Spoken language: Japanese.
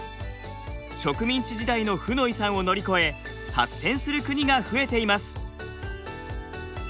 植民地時代の負の遺産を乗り越え発展する国が増えています。